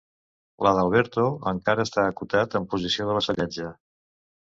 L'Adalberto encara està acotat, en posició de vassallatge.